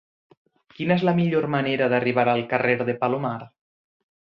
Quina és la millor manera d'arribar al carrer de Palomar?